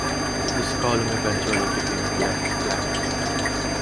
This column eventually became the left flank.